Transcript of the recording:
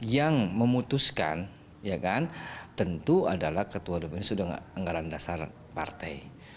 yang memutuskan tentu adalah ketua doan pembina sudah menganggaran dasar partai